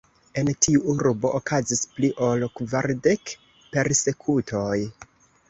En tiu urbo okazis pli ol kvardek persekutoj.